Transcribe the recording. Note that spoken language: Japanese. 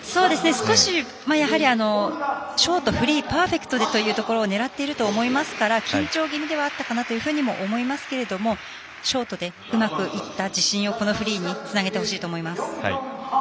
少しショート、フリーパーフェクトでということを狙っているとは思いますから緊張気味ではあったかなと思いますけれどもショートでうまくいった自信をこのフリーにつなげてほしいと思います。